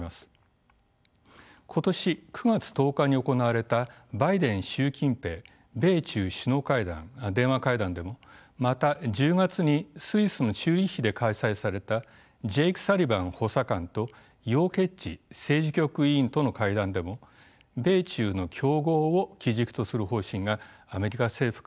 今年９月１０日に行われたバイデン習近平米中首脳会談電話会談でもまた１０月にスイスのチューリヒで開催されたジェイク・サリバン補佐官と楊潔政治局委員との会談でも米中の競合を基軸とする方針がアメリカ政府から打ち出されました。